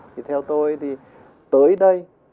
thì theo tôi thì tới đây